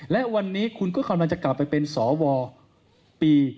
และวันนี้คุณก็กำลังจะกลับไปเป็นสวปี